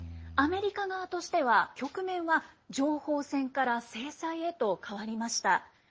アメリカ側としては局面は、情報戦から制裁へと変わりました。